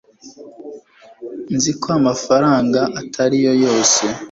nzi ko amafaranga atari yose